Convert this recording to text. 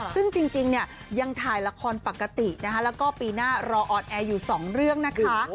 ซึ่งจริงเนี่ยยังถ่ายละครปกตินะคะแล้วก็ปีหน้ารอออนแอร์อยู่สองเรื่องนะคะ